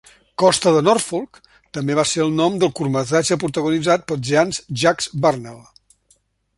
"Costa de Norfolk" també va ser el nom del curtmetratge protagonitzat per Jean Jacques Burnel.